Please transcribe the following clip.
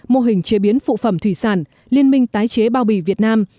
mô hình chế biến phụ phẩm thủy sản liên minh tái chế bao bì việt nam